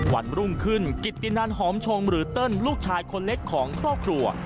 วันรุ่งขึ้นกิตตินันหอมชงหรือเติ้ลลูกชายคนเล็กของครอบครัว